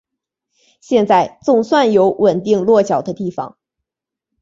现在总算有稳定落脚的地方